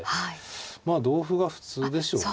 まあ同歩が普通でしょうね。